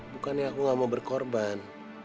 bukannya aku gak mau berkorban